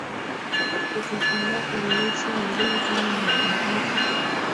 ikasambaa kwenye nchi nyingine kama anavyoeleza